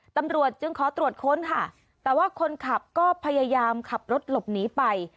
ตำรวจจึงขอตรวจค้นค่ะแต่ว่าคนขับก็พยายามขับรถหลบหนีไป